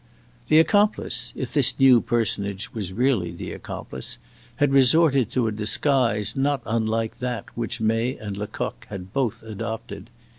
The accomplice, if this new personage was really the accomplice, had resorted to a disguise not unlike that which May and Lecoq had both adopted.